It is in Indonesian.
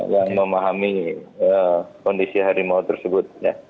yang memahami kondisi harimau tersebut